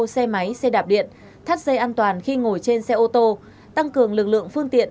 xe máy xe đạp điện thắt dây an toàn khi ngồi trên xe ô tô tăng cường lực lượng phương tiện